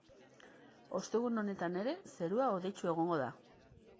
Ostegun honetan ere zerua hodeitsu egongo da.